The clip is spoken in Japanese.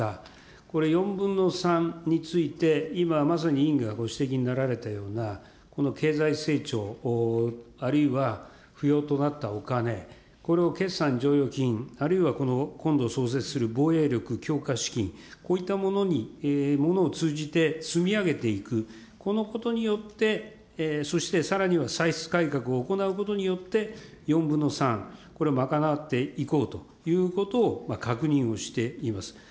これ４分の３について、今まさに委員がご指摘になられたようなこの経済成長、あるいは不用となったお金、これを決算剰余金、あるいは今度創設する防衛力強化資金、こういったものを通じて、積み上げていく、このことによって、そしてさらには歳出改革を行うことによって、４分の３、これを賄っていこうということを確認をしています。